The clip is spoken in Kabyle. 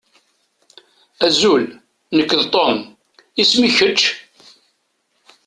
Azul, nekk d Tom. Isem-ik kečč?